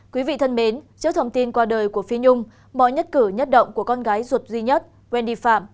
quý vị thân mến trước thông tin qua đời của phi nhung mọi nhất cử nhất động của con gái ruột duy nhất quen đi phạm